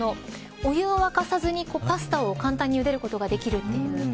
お湯を沸かさずに、パスタを簡単にゆでることができるという。